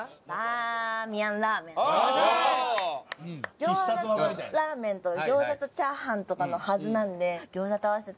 餃子とラーメンと餃子とチャーハンとかのはずなので餃子と合わせて。